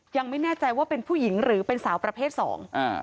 ยังไม่แน่ใจว่าเป็นผู้หญิงหรือเป็นสาวประเภทสองอ่า